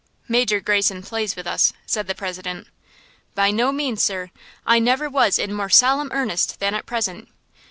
"Major Greyson plays with us," said the President. "By no means, sir! I never was in more solemn earnest than at present!